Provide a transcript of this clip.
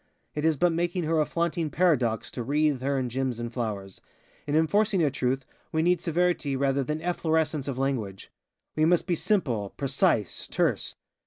It is but making her a flaunting paradox to wreathe her in gems and flowers. In enforcing a truth we need severity rather than efflorescence of language. We must be simple, precise, terse.